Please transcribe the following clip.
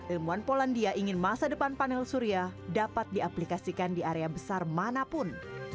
ilmuwan polandia ingin masa depan panel surya dapat diaplikasikan di area besar manapun